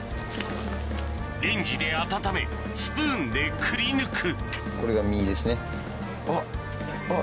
レンジで温めスプーンでくりぬくあっ。